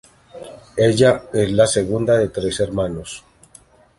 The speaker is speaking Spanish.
Ella es la segunda de tres hermanos.